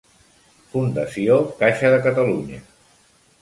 Fundació Caixa de Catalunya.